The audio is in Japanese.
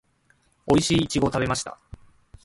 おいしいイチゴを食べました